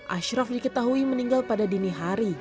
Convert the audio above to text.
ashraf diketahui meninggal pada dini hari